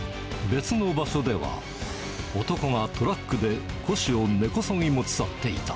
別の場所では、男がトラックで古紙を根こそぎ持ち去っていた。